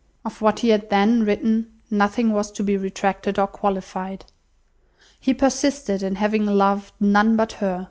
Of what he had then written, nothing was to be retracted or qualified. He persisted in having loved none but her.